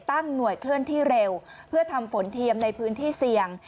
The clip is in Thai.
หน่วยเคลื่อนที่เร็วเพื่อทำฝนเทียมในพื้นที่เสี่ยง